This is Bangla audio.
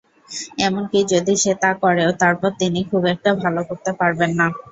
এমনকি যদি সে তা করেও, তারপরও তিনি খুব একটা ভালো করতে পারবেন না।